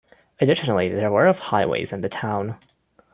Additionally, there were of highways in the town.